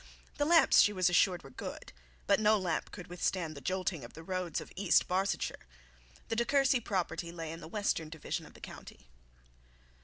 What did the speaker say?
The lamps she was assured were good, but no lamp could withstand the jolting of the roads of East Barsetshire. The De Courcy property lay in the western division of the county.